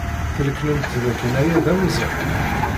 Tleknemt dakken aya d awezɣi?